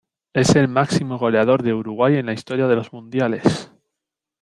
Es el máximo goleador de Uruguay en la historia de los mundiales.